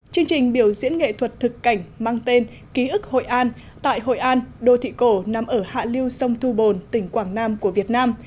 chương trình biểu diễn nghệ thuật thực cảnh mang tên ký ức hội an tại hội an đô thị cổ nằm ở hạ liêu sông thu bồn tỉnh quảng nam của việt nam